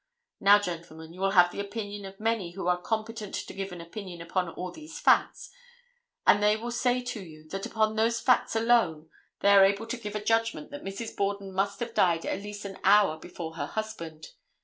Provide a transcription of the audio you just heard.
Now, gentlemen, you will have the opinion of many who are competent to give an opinion upon all these facts, and they will say to you that upon those facts alone they are able to give a judgment that Mrs. Borden must have died at least an hour before her husband.